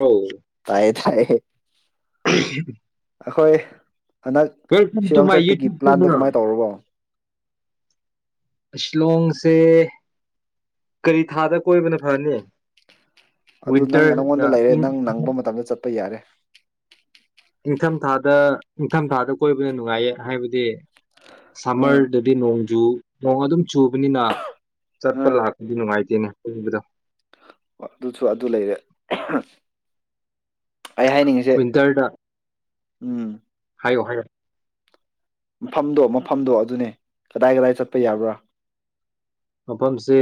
ꯑꯧ ꯇꯥꯏꯌꯦ ꯇꯥꯏꯌꯦ ꯑꯩꯈꯣꯏ ꯍꯟꯗꯛ ꯋꯦꯜꯀꯝ ꯇꯨ ꯁꯤꯂꯣꯡ ꯃꯥꯏ ꯌꯨꯇꯨ ꯆꯠꯄꯒꯤ ꯄ꯭ꯂꯥꯟꯗꯣ ꯀꯃꯥꯏꯅ ꯇꯧꯔꯕꯣ ꯆꯜꯣꯡ ꯁꯦ ꯀꯔꯤ ꯊꯥꯗ ꯀꯣꯏꯕꯅ ꯐꯅꯤ ꯑꯗꯨ ꯅꯪ ꯅꯪꯉꯣꯟꯗ ꯋꯤꯟꯇꯔꯗ ꯂꯩꯔꯦ ꯏꯪ ꯅꯪ ꯅꯪꯕ ꯃꯇꯝꯗ ꯆꯠꯄ ꯌꯥꯔꯦ ꯅꯤꯡꯊꯝꯊꯥꯗ ꯅꯤꯡꯊꯝ ꯊꯥꯗ ꯀꯣꯏꯕꯅ ꯅꯨꯡꯉꯥꯏꯌꯦ ꯍꯥꯏꯕꯗꯤ ꯁꯝꯔ ꯑꯥ ꯑꯗꯨ ꯅꯣꯡ ꯨ ꯅꯣꯡ ꯑꯗꯨꯝ ꯆꯨꯕꯅꯤꯅ ꯆꯠꯄ ꯑꯥ ꯂꯥꯛꯄꯗꯤ ꯅꯨꯡꯉꯥꯏꯇꯦꯅꯦꯕꯗꯣ ꯑꯗꯨꯁꯨ ꯑꯗꯨ ꯂꯩꯔꯦ ꯑꯩ ꯍꯥꯏꯅꯤꯡꯉꯤꯁꯦ ꯋꯤꯟꯇꯔꯗ ꯎꯝ ꯍꯥꯏ ꯃꯐꯝꯗꯣ ꯃꯐꯝꯗꯣ ꯑꯗꯨꯅꯦ ꯀꯗꯥꯏ ꯀꯗꯥꯏ ꯆꯠꯄ ꯌꯥꯕ꯭ꯔꯥ ꯃꯐꯝꯁꯦ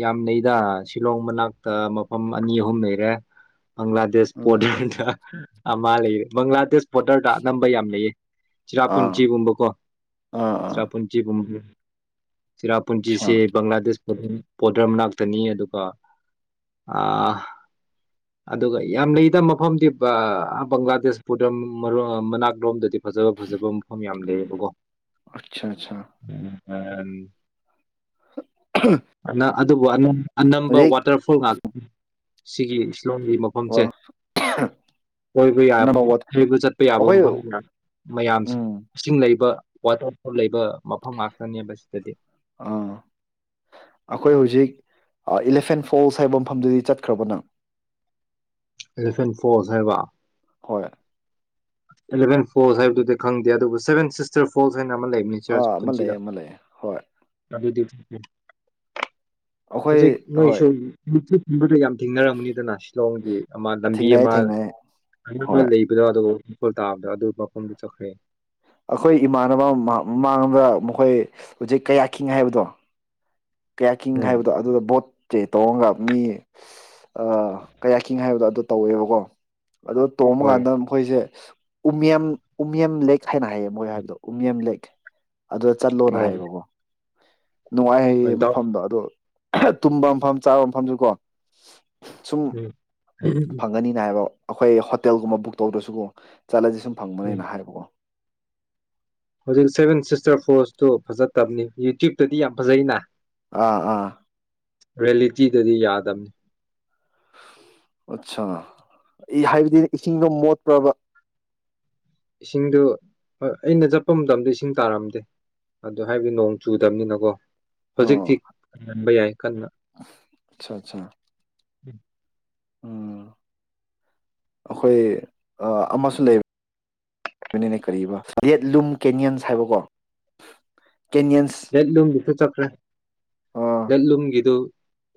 ꯌꯥꯝꯅꯗ ꯁꯤꯂꯣꯡ ꯃꯅꯥꯛꯇ ꯃꯐꯝ ꯑꯅꯤ ꯑꯍꯨꯝ ꯂꯩꯔꯦ ꯪ꯭ꯂꯥꯗꯦꯁ ꯎꯝ ꯄꯣꯗꯃꯦꯟꯗ ꯃꯥ ꯂꯩꯔꯦ ꯕꯪꯒ꯭ꯂꯥꯗꯦꯁ ꯕꯣꯔꯇꯔꯗ ꯑꯝꯕ ꯌꯥꯝ ꯂꯩꯌꯦ ꯑꯥ ꯆꯤꯔꯥꯄꯨꯟꯆꯒꯨꯝꯕ ꯀꯣ ꯑꯥ ꯑꯥ ꯆꯔꯥ ꯄꯨꯨꯟꯆꯒꯨꯝꯕ ꯑꯆꯥ ꯁꯤꯔꯥꯄꯨꯟꯖꯤꯁꯤ ꯪꯒ꯭ꯂꯥꯗꯦ ꯄꯣꯗ꯭ꯔ ꯃꯅꯥꯛꯇꯅꯤ ꯑꯗꯨꯒ ꯑꯗꯨꯒ ꯌꯥꯝ ꯂꯩꯗꯕ ꯃꯐꯝꯗꯤ ꯕꯪꯒ꯭ꯂꯥꯗꯦꯁ ꯄꯗ ꯃꯅꯥꯛꯂꯣꯝꯗꯗꯤ ꯐꯖꯕ ꯐꯖꯕ ꯃꯐꯝ ꯌꯥꯝ [unintelligible] ꯑꯆꯥ ꯑꯆꯥ ꯎꯝꯝ ꯑ ꯑꯗꯨꯕꯨꯅ ꯑꯅꯝꯕ ꯍꯧꯖꯤꯛ ꯋꯥꯇꯔꯐꯣꯜ ꯉꯥꯛꯇꯅꯤ ꯁꯛꯂꯤ ꯂꯣꯟꯝꯒꯤ ꯃꯐꯝꯁꯦ ꯑꯣꯏꯕ ꯑꯅꯝꯕ ꯋꯥꯠ ꯌꯥꯕ ꯆꯠꯄ ꯌꯥꯕ ꯑꯩꯈꯣꯏ ꯃꯐꯝꯗ ꯃꯌꯥꯝ ꯎꯝ ꯏꯁꯤꯡ ꯂꯩꯕ ꯋꯥꯇꯔ ꯐꯣꯜ ꯂꯩꯕ ꯃꯐꯝ ꯉꯥꯛꯇ ꯑꯥ ꯑꯩꯈꯣꯏ ꯍꯧꯖꯤꯛ ꯏꯂꯤꯐꯦꯟ ꯐꯣꯜꯁ ꯍꯥꯏꯕ ꯃꯐꯝꯗꯨꯗꯤ ꯆꯠꯈ꯭ꯔꯕꯅ ꯐ ꯍꯥꯏꯕ ꯍꯣꯏ ꯑꯦꯂꯚꯦꯟ ꯐꯣꯔꯁ ꯍꯥꯏꯕꯗꯨꯗꯤ ꯈꯪꯗꯦ ꯑꯗꯨꯕꯨ ꯁꯚꯦꯟ ꯁꯤꯁꯇꯔ ꯐꯣꯔꯁ ꯂꯩ ꯑꯥ ꯑꯃ ꯂꯩꯌꯦ ꯄꯨꯟꯁꯤꯗ ꯑꯃ ꯂꯩꯌꯦ ꯍꯣꯏ ꯎꯝ ꯑꯩꯈꯣꯏ ꯍꯧꯖꯤ ꯍꯣꯏ ꯅꯁꯨꯣ ꯏꯗꯤ ꯊꯦꯡꯅꯔꯝꯅꯤꯗꯅ ꯁꯤꯂꯣꯡꯒꯤ ꯑꯃ ꯂꯝꯕꯤ ꯊꯦꯡꯅꯩꯌꯦ ꯑꯃ ꯊꯦꯡꯅꯩꯌꯦ ꯈꯪꯅꯕ ꯍꯣꯏ ꯂꯩꯕꯗꯣ ꯑꯗꯨꯕꯨ ꯏꯈꯨꯜ ꯇꯥꯕꯗ ꯑꯗꯨ ꯃꯐꯝꯗꯨ ꯆꯠꯈ꯭ꯔꯦ ꯑꯩꯈꯣꯏ ꯏꯃꯥꯟꯅꯕ ꯃꯃꯥꯡ ꯑꯃꯗ ꯃꯈꯣꯏ ꯍꯧꯖꯤꯛ ꯀꯌꯥ ꯈꯤꯉꯦ ꯍꯥꯏꯕꯗꯣ ꯀꯌꯥꯀꯤꯡ ꯎꯝ ꯍꯥꯏꯕꯗꯣ ꯑꯗꯨꯗ ꯕꯣꯠ ꯇꯦ ꯇꯧꯔꯒ ꯃꯤ ꯑ ꯀꯌꯥꯀꯤꯡ ꯍꯥꯏꯕꯗꯣ ꯑꯗꯨ ꯇꯧꯋꯦꯕꯀꯣ ꯑꯗꯣ ꯍꯣꯏ ꯇꯣꯡꯕꯀꯥꯟꯗ ꯃꯈꯣꯏꯁꯦ ꯎꯌ ꯎꯃꯤꯌꯝ ꯂꯦꯛ ꯍꯥꯏꯅ ꯍꯥꯏꯌꯦ ꯃꯣꯏ ꯍꯥꯏꯕꯗꯣ ꯎꯃꯤꯌꯨꯝ ꯂꯦꯛ ꯑꯗꯨꯗ ꯆꯠꯂꯣꯅ ꯑꯣ ꯍꯥꯏꯌꯦꯕꯀꯣ ꯅꯨꯡꯉꯥꯏ ꯍꯣꯏ ꯍꯥꯏꯩꯌꯦ ꯗꯥꯎ ꯃꯐꯝꯗꯣ ꯑꯗꯣ ꯇꯨꯝꯕ ꯃꯐꯝ ꯆꯥꯕ ꯃꯐꯝꯁꯨ ꯀꯣ ꯁꯨꯝ ꯎꯝ ꯐꯪꯒꯅꯤꯅ ꯍꯥꯏꯕ ꯑꯩꯈꯣꯏ ꯍꯣꯇꯦꯜꯒꯨꯝꯕ ꯕꯨꯛ ꯇꯧꯗ꯭ꯔꯁꯨꯀꯣ ꯆꯠꯂꯁꯦ ꯁꯨꯝ ꯎꯝ ꯐꯪꯕꯅꯦꯅ ꯍꯥꯏꯕꯀꯣ ꯍꯧꯖꯤꯛ ꯁꯦꯚꯦꯟ ꯁꯤꯁꯇꯔ ꯐꯣꯔꯁꯇꯨ ꯐꯖꯠꯇꯕꯅꯤ ꯌꯨꯇ꯭ꯌꯨꯕꯇꯗꯤ ꯌꯥꯝ ꯐꯖꯩꯅ ꯑꯥ ꯑꯥ ꯦꯌꯦꯂꯤꯇꯤꯗꯗꯤ ꯌꯥꯗꯕꯅꯤ ꯑꯆꯥꯥ ꯍꯥꯏꯕꯗꯤ ꯏꯁꯤꯡꯗꯣ ꯃꯣꯠꯄ꯭ꯔꯕ ꯏꯁꯤꯡꯗꯨ ꯑꯩꯅ ꯆꯠꯄ ꯃꯇꯝꯗ ꯏꯁꯤꯡ ꯇꯥꯔꯝꯗꯦ ꯑꯗꯨ ꯍꯥꯏꯕꯗꯤ ꯅꯣꯡ ꯆꯨꯗꯕꯅꯤꯅꯀꯣ ꯑꯥ ꯍꯧꯖꯤꯛꯇꯤ ꯉꯟꯕ ꯌꯥꯏ ꯀꯟꯅ ꯑꯠꯆꯥ ꯑꯠꯆꯥ ꯎ ꯎꯝ ꯑꯩꯈꯣꯏ ꯑꯃꯁꯨ ꯂꯩꯕꯅꯤꯅꯦ ꯗꯦꯠ ꯂꯨꯝ ꯀꯦꯅꯤꯌꯟꯁ ꯍꯥꯏꯕꯀꯣ ꯀꯦꯅꯤꯌꯟꯁ ꯗꯦꯠꯂꯨꯝꯒꯤꯁꯨ ꯆꯠꯈ꯭ꯔꯦ ꯑꯥ ꯗꯦꯠꯂꯨꯝꯒꯤꯗꯨ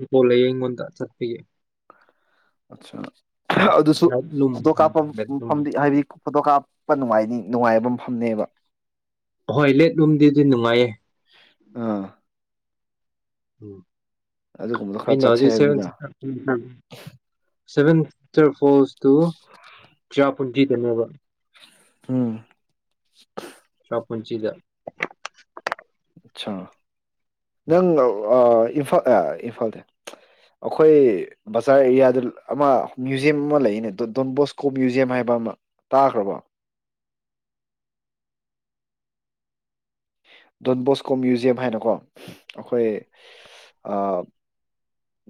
ꯄꯣ ꯂꯩꯌꯦ ꯑꯩꯉꯣꯟꯗ ꯆꯠꯄꯤꯒꯦ ꯑꯆꯥ ꯑꯗꯨꯁꯨ ꯂꯦꯠꯂꯨꯝ ꯐꯨꯗꯣ ꯀꯥꯞꯐꯝ ꯂꯦꯠꯂꯨꯝ ꯐꯝꯗꯤ ꯍꯥꯏꯗꯤ ꯐꯣꯇꯣ ꯀꯥꯞꯄ ꯅꯨꯡꯉꯥꯏ ꯅꯨꯡꯉꯥꯏꯕ ꯃꯐꯝꯅꯦꯕ ꯑꯍꯣꯏ ꯂꯦꯠꯂꯣꯝꯗꯤꯗꯤ ꯅꯨꯡꯉꯥꯏꯌꯦ ꯑꯥ ꯎꯝ ꯑꯗꯨꯒꯨꯝꯕꯗꯣ ꯈꯔ ꯑꯩꯩꯅ ꯆꯠꯁꯦ ꯍꯧꯖꯤ ꯁ ꯍꯥꯏꯕꯅꯤꯗ ꯁꯚꯦꯟ ꯇꯋꯦꯜ ꯐꯣꯁ ꯇꯨ ꯆꯞ ꯄꯨꯖꯤ ꯀꯅꯕ ꯑꯝ ꯄ ꯄꯨꯟꯁꯤꯗ ꯑꯆꯥꯥ ꯅꯪ ꯏꯝꯐꯥ ꯏꯝꯐꯥꯜꯗ ꯑꯩꯈꯣꯏ ꯕꯖꯥꯔ ꯑꯦꯔꯤꯌꯥꯗ ꯑꯃ ꯃ꯭ꯌꯨꯖꯌꯝ ꯑꯃ ꯂꯩꯅꯦ ꯗꯣꯟꯕꯣꯁꯀꯣ ꯃ꯭ꯌꯨꯖꯌꯝ ꯍꯥꯏꯕ ꯑꯃ ꯇꯥꯈ꯭ꯔꯕ ꯗꯣꯟꯕꯣꯁꯀꯣ ꯃ꯭ꯌꯨꯖꯤꯌꯝ ꯍꯥꯏꯅꯀꯣ ꯑꯩꯈꯣꯏ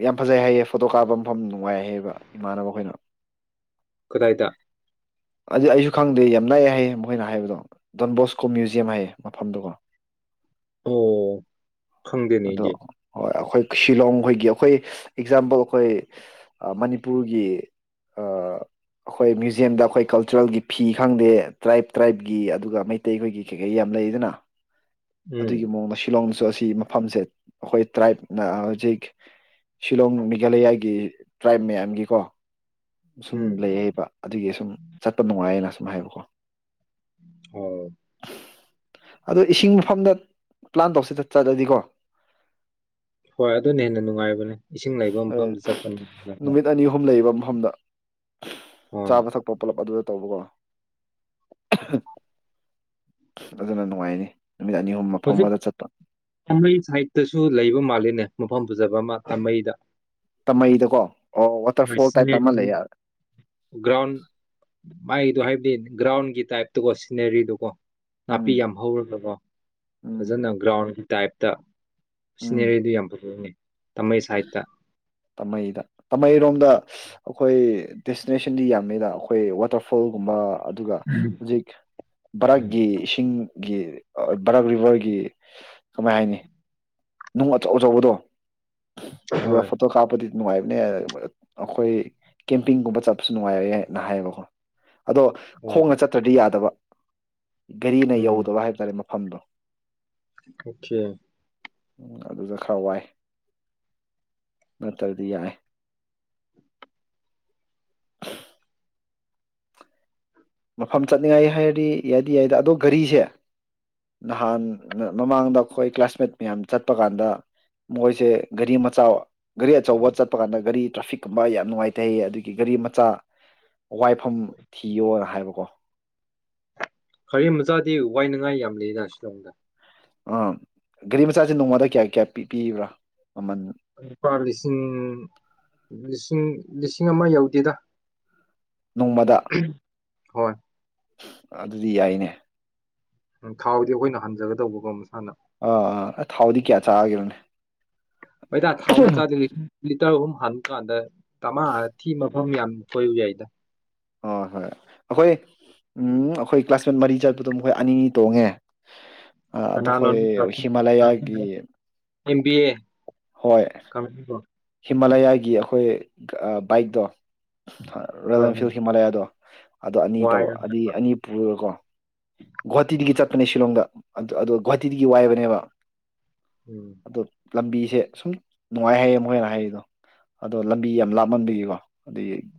ꯌꯥꯝ ꯐꯖꯩ ꯍꯥꯏꯌꯦ ꯐꯣꯇꯣ ꯀꯥꯞꯄ ꯃꯐꯝ ꯅꯨꯡꯉꯥꯏ ꯍꯥꯏꯌꯦꯕ ꯏꯃꯥꯟꯅꯕ ꯑꯩꯈꯣꯏꯅ ꯈꯨꯗꯥꯏꯗ ꯑꯗꯨ ꯑꯩꯁꯨ ꯈꯪꯗꯦ ꯌꯥꯝ ꯅꯛꯏꯑꯦ ꯍꯥꯏꯌꯦ ꯃꯈꯣꯏꯅ ꯍꯥꯏꯕꯗꯣ ꯗꯣꯟꯕꯣꯁꯀꯣ ꯃ꯭ꯌꯨꯖꯌꯝ ꯍꯥꯏꯌꯦ ꯃꯐꯝꯗꯨꯒꯣ ꯑꯣ ꯈꯪꯗꯦꯅꯦ ꯑꯗꯣ ꯑꯩꯗꯤ ꯍꯣꯏ ꯑꯩꯈꯣꯏ ꯁꯤꯂꯣꯡ ꯈꯣꯏꯒꯤ ꯑꯩꯈꯣꯏ ꯑꯦꯛꯖꯥꯝꯄꯜ ꯑꯩꯈꯣꯏ ꯃꯅꯤꯄꯨꯔꯒꯤ ꯑꯩꯈꯣꯏ ꯃ꯭ꯌꯨꯖ꯭ꯌꯝꯗ ꯑꯩꯈꯣꯏ ꯀꯜꯆꯔꯦꯜꯒꯤ ꯐꯤ ꯈꯪꯗꯦ ꯇ꯭ꯔꯥꯏꯞ ꯇ꯭ꯔꯥꯏꯞꯀꯤ ꯑꯗꯨꯒ ꯃꯩꯇꯩꯈꯣꯏꯒꯤ ꯀꯩꯀꯩ ꯌꯥꯝ ꯂꯩꯗꯅ ꯎꯝ ꯑꯗꯨꯒꯤ ꯃꯑꯣꯡꯗ ꯁꯤꯂꯣꯡ ꯁ ꯑꯁꯤ ꯃꯐꯝꯁꯦ ꯑꯩꯈꯣꯏ ꯇ꯭ꯔꯥꯏꯞ ꯍꯧꯖꯤꯛ ꯁꯤꯂꯣꯡ ꯃꯦꯘꯥꯂꯌꯥꯒꯤ ꯇ꯭ꯔꯥꯏꯞ ꯃꯌꯥꯝꯒꯤꯀꯣ ꯁꯨꯝ ꯎꯝ ꯂꯩꯌꯦꯕ ꯑꯗꯨꯒꯤ ꯁꯨꯝ ꯆꯠꯄ ꯅꯨꯡꯉꯥꯏꯌꯦꯅ ꯁꯨꯝ ꯍꯥꯏꯕꯀꯣ ꯑꯣ ꯑꯗꯣ ꯏꯁꯤꯡ ꯃꯐꯝꯗ ꯄ꯭ꯂꯥꯟ ꯇꯧꯁꯤꯗ ꯆꯠꯂꯗꯤꯀꯣ ꯍꯣꯏ ꯑꯗꯨꯅ ꯍꯦꯟꯅ ꯅꯨꯡꯉꯥꯏꯕꯅꯦ ꯏꯁꯤꯡ ꯂꯩꯕ ꯃꯐꯝꯗ ꯆꯠꯄꯅꯤ ꯅꯨꯃꯤꯠ ꯑꯅꯤ ꯑꯍꯨꯝ ꯂꯩꯕ ꯃꯐꯝꯗ ꯍꯣꯏ ꯆꯥꯕ ꯊꯛꯄ ꯄꯨꯂꯞ ꯑꯗꯨꯗ ꯇꯧꯕꯀꯣ ꯐꯖꯅ ꯅꯨꯡꯉꯥꯏꯅꯤ ꯅꯨꯃꯤꯠ ꯑꯅꯤ ꯑꯍꯨꯝ ꯃꯐꯝ ꯍꯧꯖꯤꯛ ꯑꯃꯗ ꯆꯠꯄ ꯄꯝꯕꯩ ꯁꯥꯏꯗꯠꯇꯁꯨ ꯂꯩꯕ ꯃꯥꯜꯂꯦꯅꯦ ꯃꯐꯝ ꯄꯨꯖꯕ ꯑꯃ ꯇꯥꯃꯩꯗ ꯇꯃꯩꯗꯀꯣ ꯑꯣ ꯋꯥꯇꯔꯐꯣꯜ ꯇꯥꯏꯞꯇ ꯑꯃ ꯂꯩ ꯌꯥꯔꯦ ꯃꯒꯤꯗꯣ ꯍꯥꯏꯕꯗꯤ ꯒ꯭ꯔꯥꯎꯟꯒꯤ ꯇꯥꯏꯞꯇꯀꯣ ꯁꯤꯅꯔꯤꯗꯨꯣꯀꯣ ꯅꯥꯄꯤ ꯎꯝ ꯌꯥꯝ ꯍꯧꯔꯕꯕꯣ ꯎꯝ ꯐꯖꯅ ꯒ꯭ꯔꯥꯎꯟ ꯇꯥꯏꯞꯇ ꯎꯝ ꯁꯤꯅꯦꯔ ꯌꯥꯝꯅꯤ ꯇꯃꯩ ꯁꯥꯍꯤꯠꯇ ꯇꯥꯃꯩꯗ ꯇꯥꯃꯩꯔꯣꯝꯗ ꯑꯩꯈꯣꯏ ꯗꯦꯁꯇꯤꯅꯦꯁꯟꯗꯤ ꯌꯥꯝꯃꯤꯗ ꯑꯩꯈꯣꯏ ꯋꯥꯇꯔꯐꯣꯜꯒꯨꯝꯕ ꯑꯗꯨꯒ ꯍꯧꯖꯤꯛ ꯚꯔꯛꯀꯤ ꯏꯁꯤꯡ ꯒꯤ ꯕꯔꯛ ꯚꯔꯒꯤ ꯀꯃꯥꯏ ꯍꯥꯏꯅꯤ ꯅꯨꯡ ꯑꯆꯧ ꯑꯆꯧꯕꯗꯣ ꯑꯗꯨꯗ ꯍꯣꯏ ꯋꯥ ꯐꯠꯇꯣ ꯀꯥꯞꯄꯗꯤ ꯅꯨꯡꯉꯥꯏꯕꯅꯦ ꯑꯩꯈꯣꯏ ꯀꯦꯝꯄꯤꯡꯒꯨꯝꯕ ꯆꯠꯄꯁꯨ ꯅꯨꯡꯉꯥꯏꯕꯅ ꯍꯥꯏꯌꯦꯕꯀꯣ ꯑꯗꯣ ꯑꯣ ꯈꯣꯡꯅ ꯆꯠꯇ꯭ꯔꯗꯤ ꯌꯥꯗꯕ ꯘꯔꯤꯅ ꯌꯧꯗꯕ ꯍꯥꯏꯕ ꯇꯥꯔꯦ ꯐꯗ ꯑꯀꯦ ꯎ ꯑꯗꯨꯗ ꯈꯔ ꯋꯥꯏ ꯅꯠꯇ꯭ꯔꯗꯤ ꯌꯥꯏ ꯃꯐꯝ ꯆꯠꯅꯤꯡꯉꯥꯏ ꯍꯥꯏꯔꯗꯤ ꯌꯥꯏꯗꯤ ꯌꯥꯏꯗ ꯑꯗꯣ ꯒꯥꯔꯤꯁꯦ ꯅꯍꯥꯟ ꯃꯃꯥꯡꯗ ꯑꯩꯈꯣꯏ ꯀ꯭ꯂꯥꯁꯃꯦꯠ ꯃꯌꯥꯝ ꯆꯠꯄ ꯀꯥꯟꯗ ꯃꯣꯏꯁꯦ ꯒꯥꯔꯤ ꯃꯆꯥ ꯒꯥꯔꯤ ꯑꯆꯧꯕ ꯆꯠꯄ ꯀꯥꯟꯗ ꯒꯥꯔꯤ ꯇ꯭ꯔꯥꯐꯤꯛꯀꯨꯝꯕ ꯌꯥꯝꯅ ꯅꯨꯡꯉꯥꯏꯇꯩ ꯑꯗꯨꯒꯤ ꯒꯥꯔꯤ ꯃꯆꯥ ꯋꯥꯏꯐꯝ ꯊꯤꯌꯣꯅ ꯍꯥꯏꯕ ꯣ ꯍꯔ ꯃꯆꯥꯗꯤ ꯋꯥꯏꯅꯉꯥꯏ ꯌꯥꯝ ꯂꯩꯅ ꯁꯤꯂꯣꯡꯗ ꯑ ꯒꯥꯔꯤ ꯃꯆꯥꯁꯦ ꯅꯣꯡꯃꯗ ꯀꯌꯥ ꯀꯌꯥ ꯄꯤ ꯄꯤꯕ꯭ꯔꯥ ꯃꯃꯜ ꯂꯨꯄꯥ ꯂꯤꯁꯤꯡ ꯂꯤꯁꯤꯡ ꯂꯤꯁꯤꯡ ꯑꯃ ꯌꯧꯗꯦꯗ ꯅꯣꯡꯃꯗ ꯍꯣꯏ ꯑꯗꯨꯗꯤ ꯌꯥꯏꯅꯦ ꯎ ꯊꯥꯎꯗꯤ ꯑꯩꯈꯣꯏꯅ ꯍꯟꯖꯒꯗꯧꯕꯒꯣ ꯃꯁꯥꯅ ꯑꯥ ꯑꯥ ꯑꯩ ꯊꯥꯎꯗꯤ ꯀꯌꯥ ꯆꯥꯦꯅꯅꯦ ꯍꯩ ꯇ ꯊꯥꯎꯂꯤ ꯆ ꯇꯔ ꯑꯍꯨꯝ ꯍꯟ ꯀꯥꯟꯗ ꯇꯃꯥ ꯊꯤ ꯃꯐꯝ ꯌꯥꯝ ꯀꯣꯏꯌꯨ ꯌꯥꯏꯗ ꯍꯣꯏ ꯍꯣꯏ ꯑꯩꯈꯣꯏ ꯎꯝ ꯑꯩꯈꯣꯏ ꯀ꯭ꯂꯥꯁꯃꯦꯠ ꯃꯔꯤ ꯆꯠꯄꯗꯣ ꯃꯈꯣꯏ ꯑꯅꯤꯅꯤ ꯇꯣꯡꯉꯦ ꯑꯗꯣ ꯀꯅꯥꯣ ꯑꯩꯈꯣꯏ ꯍꯤꯃꯥꯂꯌꯥꯒꯤ ꯑꯦ ꯍꯣꯏ ꯍꯤꯃꯥꯂꯌꯥꯒꯤ ꯑꯩꯈꯣꯏ ꯕꯥꯏꯛꯇꯣ ꯔꯣꯌꯦꯜ ꯍꯣꯏ ꯑꯦꯟꯐꯤꯜ ꯍꯤꯃꯥꯂꯌꯥꯗꯣ ꯑꯗꯣ ꯑꯅꯤ ꯇꯧꯔ ꯋꯥꯏꯔ ꯑꯗꯤ ꯑꯅꯤ ꯄꯨꯔꯒꯀꯣ ꯒꯨꯍꯥꯇꯤꯗꯒꯤ ꯆꯠꯄꯅꯦ ꯁꯤꯂꯣꯡꯗ ꯑꯣ ꯒꯨꯍꯥꯇꯤꯗꯒꯤ ꯋꯥꯏꯕꯅꯦꯕ ꯎꯝ ꯑꯗꯣ ꯂꯝꯕꯤꯁꯦ ꯁꯨꯝ ꯅꯨꯡꯉꯥꯏ ꯍꯥꯏꯩꯌꯦ ꯃꯣꯏꯅ ꯍꯥꯏꯔꯤꯗꯣ ꯑꯗꯣ ꯂꯝꯕꯤ ꯌꯥꯝ ꯂꯥꯞꯃꯟꯕꯤꯒꯤꯀꯣ ꯑꯗꯨꯗꯒꯤ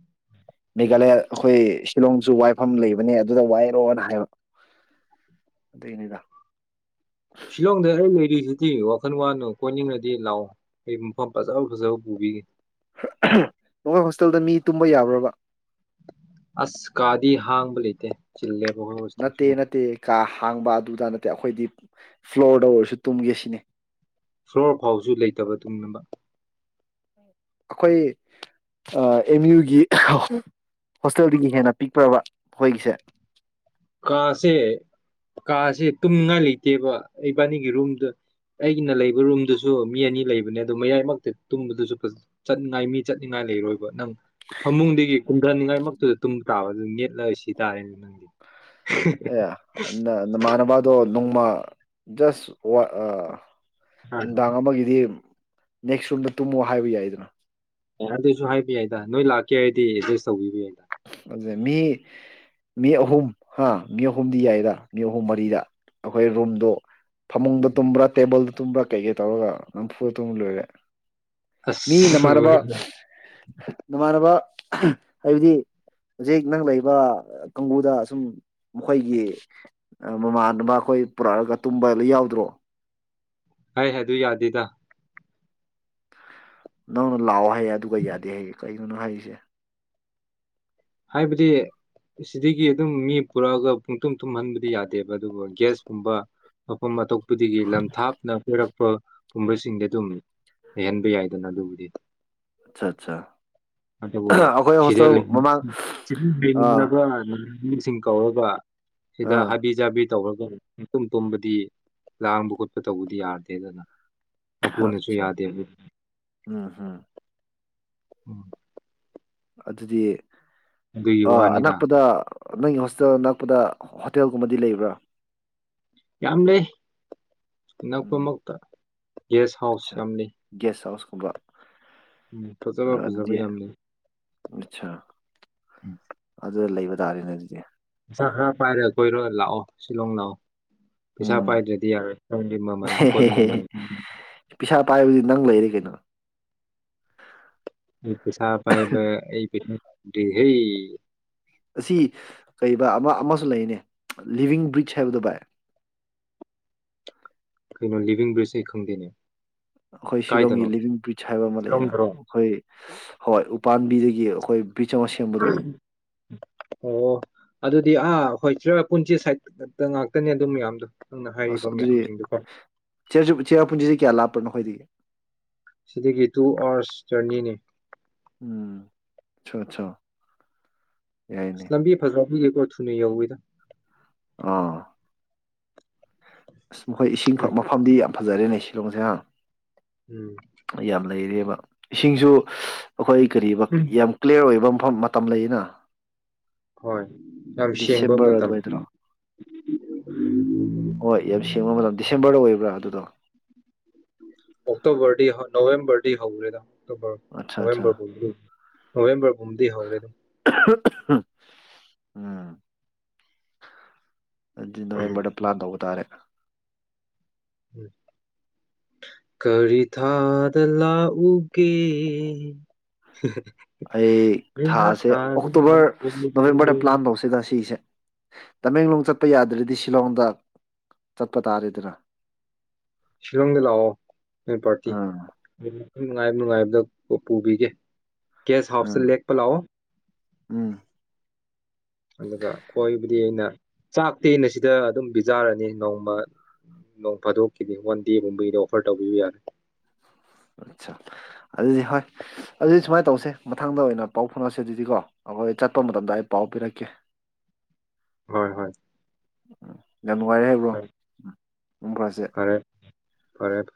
ꯃꯦꯘꯂꯌꯥ ꯍꯈꯣꯏ ꯁꯤꯂꯣꯡꯁꯨ ꯋꯥꯏꯐꯝ ꯂꯩꯕꯅꯦ ꯑꯗꯨꯗ ꯋꯥꯏꯔꯣꯅ ꯍꯥꯏꯕ ꯑꯗꯨꯏꯅꯤꯗ ꯇꯤ ꯋꯥꯈꯜ ꯋꯥꯅꯨ ꯀꯣꯏꯅꯤꯡꯔꯥꯗꯤ ꯂꯥꯛꯑꯣ ꯑꯩ ꯃꯐꯝ ꯐꯖꯕ ꯐꯖꯕ ꯄꯨꯕꯤꯒꯦ ꯍ ꯑꯍ ꯅꯈꯣꯏ ꯍꯣꯁꯇꯦꯜꯗ ꯃꯤ ꯇꯨꯝꯕ ꯌꯥꯕ꯭ꯔꯕ ꯑꯁ ꯀꯥꯗꯤ ꯍꯥꯡꯕ ꯂꯩꯇꯦ ꯆꯤꯜꯂꯦ ꯅꯠꯇꯦ ꯅꯠꯇꯦ ꯀꯥ ꯍꯥꯡꯕ ꯑꯗꯨꯗ ꯅꯠꯇꯦ ꯑꯈꯣꯏꯗꯤ ꯐ꯭ꯂꯣꯔꯗ ꯑꯣꯏꯔꯁꯨ ꯇꯨꯝꯒꯦ ꯁꯤꯅꯤ ꯐ꯭ꯂꯣꯔ ꯐꯥꯎꯁꯨ ꯂꯩꯇꯕ ꯇꯨꯡꯅꯕ ꯑꯈꯣꯏ ꯑ ꯑꯦꯝ ꯌꯨꯒꯤ ꯍꯣꯁꯇꯦꯜꯗꯒꯤ ꯍꯦꯟꯅ ꯄꯤꯛꯄ꯭ꯔꯕ ꯍꯣꯏꯒꯤꯁꯦ ꯀꯥꯁꯦ ꯀꯥꯁꯦ ꯇꯨꯝꯅꯤꯡꯉꯥꯏ ꯂꯩꯇꯦꯕ ꯏꯕꯥꯅꯤꯒꯤ ꯔꯨꯝꯗ ꯑꯩꯒꯤꯅ ꯂꯩꯕ ꯔꯨꯝꯗꯨꯁꯨ ꯃꯤ ꯑꯅꯤ ꯂꯩꯕꯅꯦ ꯑꯗꯣ ꯃꯌꯥꯏꯃꯛꯇ ꯇꯨꯝꯕꯗꯨꯁꯨ ꯆꯠꯅꯤꯡꯉꯥꯏ ꯃꯤ ꯆꯠꯅꯤꯡꯉꯥꯏ ꯂꯩꯔꯣꯏꯕ ꯅꯪ ꯐꯃꯨꯡꯗꯒꯤ ꯀꯨꯝꯗ꯭ꯔꯅꯤꯉꯥꯏꯃꯛꯇꯨꯗ ꯇꯨꯝꯕ ꯇꯥꯕ ꯑꯗꯨ ꯅꯦꯠꯂ ꯁꯤ ꯇꯥꯔꯦꯅꯦ ꯅꯪꯗꯤ ꯑꯦ ꯑ ꯅ ꯅꯃꯥꯟꯅꯕꯗꯣ ꯅꯣꯡꯃ ꯖꯁ ꯋꯥ ꯑ ꯅꯨꯡꯗꯥꯡ ꯑꯃꯒꯤꯗꯤ ꯅꯦꯛꯁ ꯔꯣꯝꯗ ꯇꯨꯝꯃꯣ ꯍꯥꯏꯕ ꯌꯥꯏꯗꯅ ꯑꯦ ꯑꯗꯨꯁꯨ ꯍꯥꯏꯕ ꯌꯥꯏꯗ ꯅꯣꯏ ꯂꯥꯛꯀꯦ ꯍꯥꯏꯗꯤ ꯑꯦꯖꯁ ꯇꯧꯕꯤꯕ ꯌꯥꯏꯗ ꯑꯗꯨꯅꯦ ꯃꯤ ꯃꯤ ꯑꯍꯨꯝ ꯍꯥ ꯃꯤ ꯑꯍꯨꯝꯗꯤ ꯌꯥꯏꯔ ꯃꯤ ꯑꯍꯨꯝ ꯃꯔꯤꯗ ꯑꯈꯣꯏ ꯔꯨꯝꯗꯣ ꯐꯃꯨꯡꯗ ꯇꯨꯝꯕ꯭ꯔꯥ ꯇꯦꯕꯜꯗ ꯇꯨꯝꯕ꯭ꯔꯥ ꯀꯩꯀꯩ ꯇꯧꯔꯒ ꯅꯝꯐꯨꯗ ꯇꯨꯝꯃ ꯂꯣꯏꯔꯦ ꯃꯤ ꯑꯁ ꯅꯃꯥꯟꯅꯕ ꯂꯣꯏꯔꯦ ꯅꯃꯥꯟꯅꯕ ꯍꯥꯏꯕꯗꯤ ꯍꯧꯖꯤꯛ ꯅꯪ ꯂꯩꯕ ꯑ ꯀꯥꯡꯕꯨꯗ ꯑꯁꯨꯝ ꯃꯈꯣꯏꯒꯤ ꯑ ꯃꯃꯥꯟꯅꯕ ꯑꯈꯣꯏ ꯄꯨꯔꯛꯑꯒ ꯇꯨꯝꯕ ꯂꯩ ꯌꯥꯎꯗ꯭ꯔꯣ ꯍꯥꯏ ꯑꯗꯨ ꯌꯥꯗꯦꯗ ꯅꯪꯅ ꯂꯥꯎꯑꯣ ꯍꯥꯏ ꯑꯗꯨꯒ ꯌꯥꯗꯦ ꯍꯥꯏꯌꯦ ꯅꯪꯅ ꯍꯥꯏꯔꯤꯁꯦ ꯍꯥꯏꯕꯗꯤ ꯁꯤꯗꯒꯤ ꯑꯗꯨꯝ ꯃꯤ ꯄꯨꯔꯛꯑꯒ ꯄꯨꯡ ꯇꯨꯝ ꯇꯨꯝꯍꯟꯕꯗꯤ ꯌꯥꯗꯦꯕ ꯑꯗꯨꯕꯨ ꯒ꯭ꯌꯥꯁꯀꯨꯝꯕ ꯃꯐꯝ ꯑꯇꯣꯞ ꯄꯨꯗꯒꯤ ꯂꯝ ꯊꯥꯞꯅ ꯀꯣꯏꯔꯛ ꯄꯥ ꯄꯨꯝꯕꯁꯤꯡꯗ ꯇꯨꯝꯃꯤ ꯂꯩꯍꯟꯕ ꯌꯥꯏꯗꯅ ꯑꯗꯨꯕꯨꯗꯤ ꯑꯆꯥ ꯑꯆꯥ ꯑꯍ ꯑꯈꯣꯏ ꯍꯣꯁꯇꯦꯜ ꯃꯃꯥꯡ ꯆꯤꯃꯨꯝ ꯑꯥ ꯂꯩꯃꯤꯟꯅꯕꯅꯦ ꯎꯝ ꯃꯤꯁꯤꯡ ꯀꯧꯔꯒ ꯁꯤꯗ ꯑꯥ ꯍꯥꯕꯤ ꯖꯕꯤꯠ ꯇꯧꯔꯒ ꯄꯨꯡꯇꯨꯝ ꯇꯨꯝꯕꯗꯤ ꯂꯥꯡꯕ ꯈꯣꯠꯄ ꯇꯧꯕꯗꯤ ꯌꯥꯗꯦꯗꯅ ꯃꯄꯨꯅꯖꯨ ꯑꯠꯆꯥ ꯌꯥꯗꯦꯕꯦꯞ ꯎꯝ ꯍꯝ ꯎꯝ ꯑꯗꯨꯗꯤ ꯑꯗꯨꯒꯤ ꯑ ꯋꯥꯅꯤꯗ ꯑꯅꯛꯄꯗ ꯑ ꯅꯪꯒꯤ ꯍꯣꯁꯇꯦꯜ ꯅꯛꯄꯗ ꯍꯣ ꯍꯣꯇꯦꯜꯒꯨꯝꯕꯗꯤ ꯂꯩꯕ꯭ꯔꯥ ꯌꯥꯝ ꯂꯩ ꯑꯅꯛꯄ ꯎꯝ ꯃꯛꯇ ꯒꯦꯁ ꯍꯥꯎꯁ ꯌꯥꯝ ꯂꯩ ꯑꯨꯕ ꯎꯝ ꯐꯖꯕ ꯐꯖꯕꯩ ꯌꯥꯝ ꯂꯩ ꯑꯆꯥ ꯎꯝ ꯑꯗꯨꯗ ꯂꯩꯕ ꯇꯥꯔꯦꯅꯦ ꯑꯗꯨꯗꯤ ꯍꯥ ꯄꯥꯏꯔꯦ ꯀꯣꯏꯔꯣ ꯂꯥꯛꯑꯣ ꯁꯤꯂꯣꯡ ꯂꯥꯛꯑꯣ ꯄꯩꯁꯥ ꯎꯝ ꯄꯥꯏꯗ꯭ꯔꯗꯤ ꯌꯥꯔꯣꯏꯒꯤ ꯃꯃꯜ ꯄꯣꯠ ꯃꯃꯜ ꯄꯩꯁꯥ ꯄꯥꯏꯕꯗꯤ ꯅꯪ ꯂꯩꯔꯦ ꯀꯩꯅꯣ ꯆꯥ ꯄꯥꯏꯕ ꯄ ꯗꯦꯍꯜꯂꯤ ꯑꯁꯤ ꯀ ꯑꯃ ꯑꯃꯁꯨ ꯂꯩꯅꯦ ꯂꯤꯚꯡ ꯕ꯭ꯔꯤꯖ ꯍꯥꯏꯕꯗꯨꯣ ꯚꯏ ꯀꯩꯅꯣ ꯂꯤꯕꯤꯡ ꯕ꯭ꯔꯤꯖ ꯍ ꯈꯪꯗꯦꯅꯦ ꯑꯩꯈꯣꯏ ꯁꯤꯂꯣꯡꯒꯤ ꯀꯥꯏꯗꯅꯣ ꯂꯤꯚꯡ ꯕ꯭ꯔꯤꯖ ꯍꯥꯏꯕ ꯑꯃ ꯂꯩꯌꯦꯅ ꯁꯤꯂꯣꯡꯗꯔꯣ ꯑꯩꯈꯣꯏ ꯍꯣꯏ ꯄꯥꯝꯕꯤꯗꯒꯤ ꯑꯩꯈꯣꯏ ꯕ꯭ꯔꯤꯖ ꯑꯃ ꯁꯦꯝꯕꯗꯣ ꯑꯣ ꯑꯗꯨꯗꯤ ꯑꯥ ꯍꯣꯏ ꯆ ꯄꯨꯟꯁꯤ ꯁꯥꯏꯗ ꯉꯥꯛꯇꯅꯦ ꯑꯗꯨꯝ ꯃꯌꯥꯝꯗꯣ ꯅꯪꯅ ꯑꯁ ꯍꯥꯏꯔꯤꯕ ꯑꯗꯨꯗꯤ ꯃꯌꯥꯝꯁꯤꯡꯗꯨꯀꯣ ꯆꯦꯔ ꯄꯨꯟꯁꯤꯁꯤ ꯀꯌꯥ ꯂꯥꯞꯄ ꯎꯄꯍꯗꯒꯦ ꯁꯤꯗꯒꯤ ꯇꯨ ꯑꯥꯋꯥꯔꯁ ꯖꯔꯅꯤꯅꯤ ꯎꯝ ꯑꯆꯥ ꯑꯆꯥꯥ ꯏꯁ ꯂꯝꯕꯤ ꯐꯖꯜ ꯑꯗꯨꯂꯀꯣ ꯊꯨꯅꯤ ꯌꯧꯋꯤꯗ ꯑꯥ ꯑ ꯃꯈꯣꯏ ꯏꯁꯤꯡ ꯐꯛ ꯎꯝ ꯃꯐꯝꯗꯤ ꯌꯥꯝ ꯐꯖꯔꯦꯅꯦ ꯁꯤꯂꯣꯡꯁꯦ ꯑꯪ ꯎꯝ ꯌꯥꯝ ꯂꯩꯔꯦꯕ ꯏꯁꯤꯡꯁꯨ ꯑꯩꯈꯣꯏ ꯀ ꯎꯝ. ꯌꯥꯝ ꯀ꯭ꯂꯤꯌꯥꯔ ꯑꯣꯏꯕ ꯃꯐꯝ ꯃꯇꯝ ꯂꯩꯅ ꯍꯣꯏ ꯌꯥꯝ ꯁꯦꯡꯕ ꯗꯤꯁꯦꯝꯕꯔ ꯃꯇꯝ ꯑꯗꯨꯋꯥꯏꯗꯔꯣ ꯍꯣꯏ ꯌꯥꯝ ꯁꯦꯡꯕ ꯃꯇꯝ ꯗꯤꯁꯦꯝꯕꯔꯗ ꯑꯣꯏꯕ ꯭ꯔ ꯑꯗꯨꯗꯣ ꯑꯣꯛꯇꯣꯕꯔꯗꯤ ꯅꯕꯦꯝꯕꯔꯗꯤ ꯍꯧꯧꯔꯦꯗ ꯑꯣꯛꯇꯣꯕꯔ ꯑꯠꯆꯥ ꯑꯠꯆꯥ ꯅꯣꯕꯦꯝꯕꯔꯕꯨꯣ ꯍꯕꯔꯣ ꯎꯝꯗꯤ ꯍꯧꯔꯦ ꯑꯗꯨꯝ ꯎꯝ ꯖꯤ ꯅꯕꯦꯝꯕꯔꯗ ꯄ꯭ꯂꯥꯟ ꯇꯧꯕ ꯇꯥꯔꯦ ꯀꯔꯤ ꯊꯥꯗ ꯂꯥꯛ ꯎꯒꯦ ꯑꯩ ꯊꯥꯁꯦ ꯊꯥꯗ ꯑꯣꯛꯇꯣꯕꯔ ꯅꯣꯕꯦꯝꯕꯔꯗ ꯂꯥꯛꯎꯒꯦ ꯄ꯭ꯂꯥꯟ ꯇꯧꯁꯤꯦꯗ ꯁꯤꯁꯦ ꯇꯃꯦꯡꯂꯣꯡ ꯆꯠꯄ ꯌꯥꯗ꯭ꯔꯗꯤ ꯁꯤꯂꯣꯡꯗ ꯆꯠꯄ ꯇꯥꯔꯦꯗꯅ ꯁꯤꯂꯣꯡꯗ ꯂꯥꯎꯑꯣ ꯅꫭꯏ ꯄꯥꯔꯇꯤ ꯑꯥ ꯅꯨꯡꯉꯥꯏꯕ ꯅꯨꯡꯉꯥꯏꯕꯗ ꯄꯨ ꯄꯨꯕꯤꯒꯦ ꯒꯦꯁ ꯑꯥ ꯍꯥꯥꯎꯁꯇ ꯂꯦꯛꯄ ꯂꯥꯑꯣ ꯎꯝ ꯑꯗꯨꯒ ꯀꯣꯏꯕꯗꯤ ꯑꯩꯅ ꯆꯥꯛꯇꯤ ꯑꯩꯅ ꯁꯤꯗ ꯑꯗꯨꯝ ꯄꯤꯖꯥꯔꯅꯤ ꯅꯣꯡꯃ ꯅꯣꯡ ꯐꯥꯗꯣꯛꯀꯤꯗꯤ ꯋꯥꯟ ꯗꯦꯒꯨꯝꯕꯒꯤꯗꯤ ꯑꯣꯐꯔ ꯇꯧꯕꯤꯕ ꯌꯥꯅꯤ ꯑꯠꯁꯥ ꯑꯗꯨꯗꯤ ꯍꯣꯏ ꯑꯗꯨꯗꯤ ꯁꯨꯃꯥꯏꯅ ꯇꯧꯁꯦ ꯃꯊꯪꯗ ꯑꯣꯏꯅ ꯄꯥꯎ ꯐꯥꯎꯅꯛꯁꯦ ꯑꯗꯨꯗꯤꯀꯣ ꯑꯩꯈꯣꯏ ꯆꯠꯄ ꯃꯇꯝꯗ ꯑꯩ ꯄꯥꯎ ꯄꯤꯔꯛꯀꯦ ꯍꯣꯏ ꯍꯣꯏ ꯎꯝ ꯌꯥꯝ ꯅꯨꯡꯉꯥꯏꯔꯦ ꯍꯥꯏꯕ꯭ꯔꯣ ꯍꯣꯏ ꯎꯝ [unintelligible] ꯐꯔꯁꯦ ꯐꯔꯦ ꯐꯔꯦ ꯐꯔꯦ